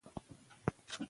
درغلي نه وي.